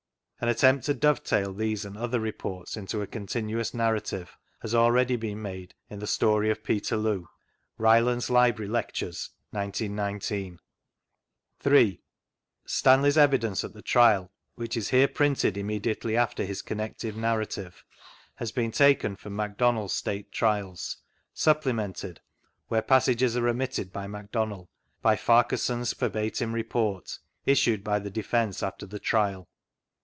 An attempt to dovetail these and other Reports into a continuous narra tive has already been made in The Story of Peterloo (Rylands Library Lectures, 1919.). 3. Stanley's Evidence at the Trial, which is here printed immediately after his connected narrative, has been taken from McDonnell's State Trials, supplemented— where passages are omitted by Mc Donnell — by Farquharson's verbatim report, issued by the Defence after the Trial.